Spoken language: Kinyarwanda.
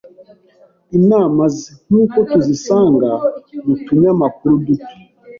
Inama ze, nk’uko tuzisanga mu tunyamakuru duto